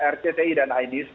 rcti dan ainis